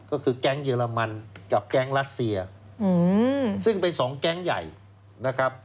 ก็คือแก๊งเยอรมันกับแก๊งรัสเซียซึ่งเป็นสองแก๊งใหญ่นะครับ